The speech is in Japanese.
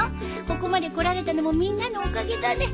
ここまでこられたのもみんなのおかげだね。